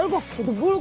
lo kok gitu bulu kok